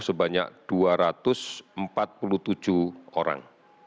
sebanyak dua ratus empat puluh tujuh orang